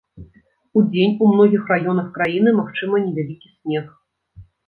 Удзень у многіх раёнах краіны магчымы невялікі снег.